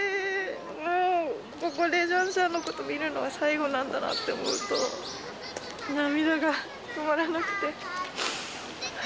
もう、ここでシャンシャンのことを見るのは最後なんだなって思うと、涙が止まらなくて。